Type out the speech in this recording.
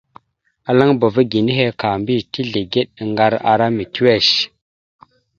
Alaŋbava ge nehe ka mbiyez tezligeɗ aŋgar ara mitiʉwesh.